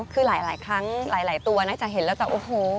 คือหลายครั้งหลายตัวนะจะเห็นแล้วจะโอ้โห